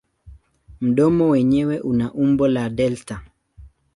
Mdomo wenyewe una umbo la delta.